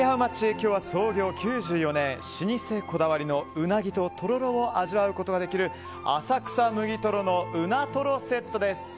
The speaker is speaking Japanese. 今日は創業９４年ウナギととろろを味わうことができる浅草むぎとろのうなとろセットです。